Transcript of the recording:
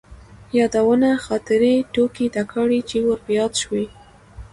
يادونه ،خاطرې، ټوکې تکالې چې ور په ياد شوي.